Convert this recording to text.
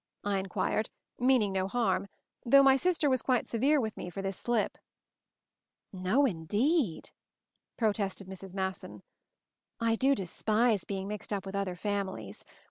I inquired, meaning no harm, though my sister was quite severe with me for this slip. "No, indeed/' protested Mrs. Masson. "I do despise being mixed up with other fam ilies.